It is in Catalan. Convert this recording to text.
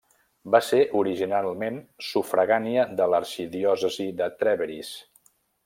Va ser originalment sufragània de l'arxidiòcesi de Trèveris.